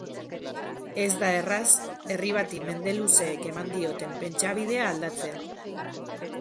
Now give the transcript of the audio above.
Ez da erraz herri bati mende luzeek eman dioten pentsabidea aldatzea.